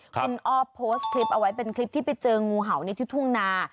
คุณอ้อโพสต์คลิปเอาไว้เป็นคลิปที่ไปเจองูเห่าในที่ทุ่งนา